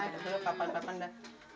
dulu papan papan dah